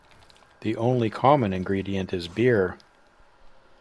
The only common ingredient is beer.